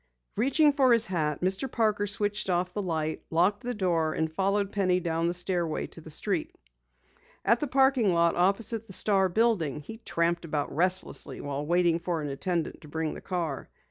Reaching for his hat, Mr. Parker switched off the light, locked the door, and followed Penny down the stairway to the street. At the parking lot opposite the Star building, he tramped about restlessly while waiting for an attendant to bring the car.